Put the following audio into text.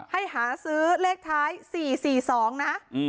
หาซื้อเลขท้าย๔๔๒นะ